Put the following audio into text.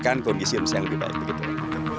dan menghadirkan kondisi yang lebih baik